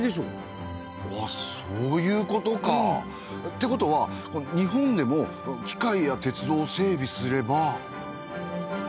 うわそういうことか。ってことは日本でも機械や鉄道を整備すれば。